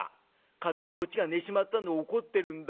勝手にこっちが寝ちまったんで怒ってるんだよ。